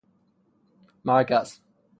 مرکز